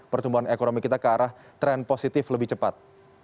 pertumbuhan ekonomi kita ke arah tren positif lebih cepat